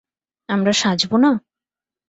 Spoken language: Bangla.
আমরা সাজব না!